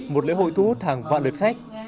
một lễ hội thu thẳng vạn lượt khách